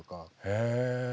へえ。